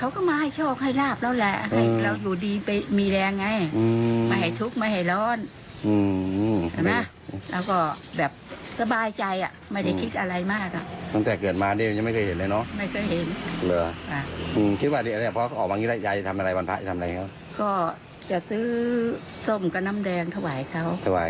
ก็เชื่อว่าเขาคงจะปกครองให้สบาย